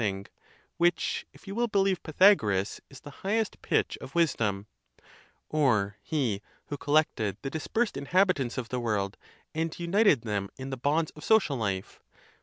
36 THE TUSCULAN DISPUTATIONS. thing, which, if you will believe Pythagoras, is the highest pitch of wisdom? or he who collected the dispersed in habitants of the world, and united them in the bonds of social life?